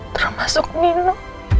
terumah suku ini no